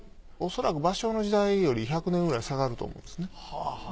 おそらく芭蕉の時代より１００年くらい下がると思うんですね。